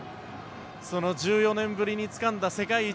その１４年ぶりにつかんだ世界一